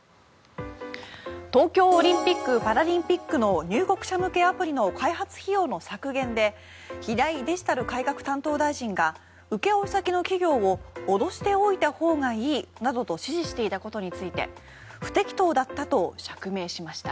東京オリンピック・パラリンピックの入国者向けアプリの開発費用の削減で平井デジタル改革担当大臣が請負先の企業を脅しておいたほうがいいなどと指示していたことについて不適当だったと釈明しました。